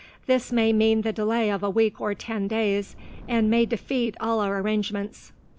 This may mean the delay of a week or ten days, and may defeat all our arrangements.